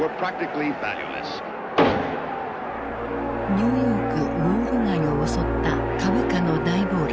ニューヨーク・ウォール街を襲った株価の大暴落。